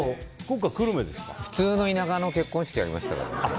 普通の田舎の結婚式を挙げましたね。